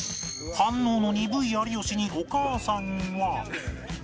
反応の鈍い有吉にお母さんは